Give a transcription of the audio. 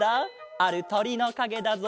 あるとりのかげだぞ。